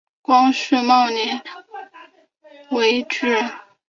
光绪辛卯年京闱举人。